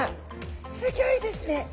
すギョいですね！